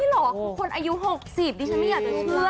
เหรอคือคนอายุ๖๐ดิฉันไม่อยากจะเชื่อ